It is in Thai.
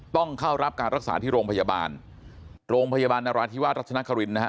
ต้องเข้ารับการรักษาที่โรงพยาบาลโรงพยาบาลนราธิวาสรัชนครินนะฮะ